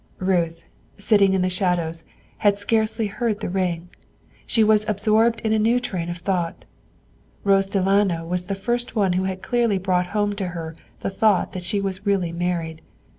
Ruth, sitting in the shadows, had scarcely heard the ring. She was absorbed in a new train of thought. Rose Delano was the first one who had clearly brought home to her the thought that she was really married.